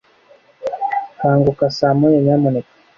Kanguka saa moya, nyamuneka.